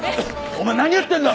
お前何やってんだ！？